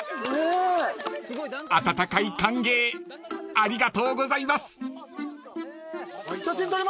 ［温かい歓迎ありがとうございます］